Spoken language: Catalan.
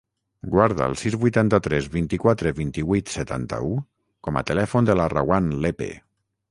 Guarda el sis, vuitanta-tres, vint-i-quatre, vint-i-vuit, setanta-u com a telèfon de la Rawan Lepe.